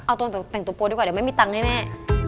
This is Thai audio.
เอาตัวแต่งตัวดีกว่าเดี๋ยวไม่มีตังค์ให้แม่